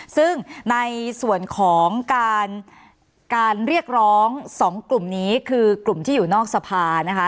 ซึ่งในส่วนของการเรียกร้องสองกลุ่มนี้คือกลุ่มที่อยู่นอกสภานะคะ